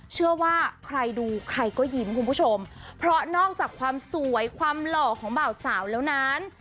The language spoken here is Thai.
เชื่อว่าใครดูใครก็ยิ้มคุณผู้ชมเพราะนอกจากความสวยความหล่อของบ่าวสาวแล้วนั้น